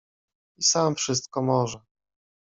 I sam wszystko może.